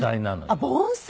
あっ盆栽。